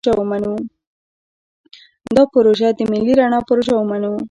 دا پروژه دې د ملي رڼا پروژه ومنو.